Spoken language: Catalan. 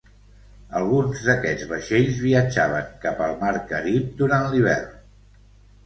Alguns d'aquests vaixells viatjaven cap al Mar Carib durant l'hivern.